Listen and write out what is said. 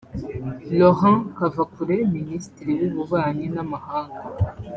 Laurent Kavakure Minisitiri w’Ububanyi n’amahanga